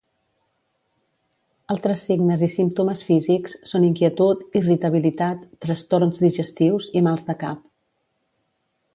Altres signes i símptomes físics són inquietud, irritabilitat, trastorns digestius i mals de cap.